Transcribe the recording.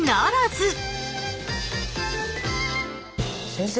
先生